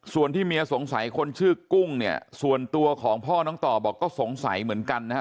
ส่วนที่เมียสงสัยคนชื่อกุ้งเนี่ยส่วนตัวของพ่อน้องต่อบอกก็สงสัยเหมือนกันนะฮะ